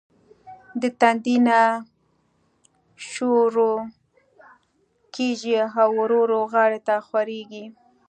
د تندي نه شورو کيږي او ورو ورو غاړو ته خوريږي